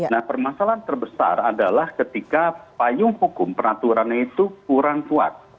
nah permasalahan terbesar adalah ketika payung hukum peraturannya itu kurang kuat